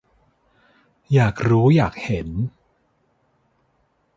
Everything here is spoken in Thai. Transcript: อยากรู้อยากเห็น